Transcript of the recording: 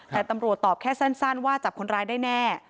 แต่ตำรวจตอบแค่สั้นว่าจับคนร้ายได้แน่